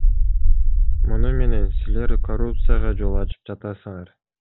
Муну менен силер коррупцияга жол ачып жатасыңар.